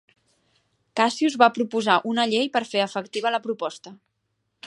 Cassius va proposar una llei per fer efectiva la proposta.